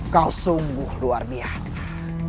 kau sungguh luar biasa